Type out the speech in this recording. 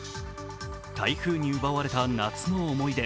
台風に奪われた夏の思い出。